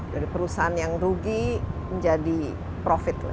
dari perusahaan yang rugi menjadi profit lah